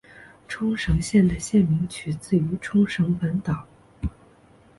冲绳县的县名取自于冲绳本岛。